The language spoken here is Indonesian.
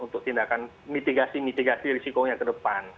untuk tindakan mitigasi mitigasi risikonya ke depan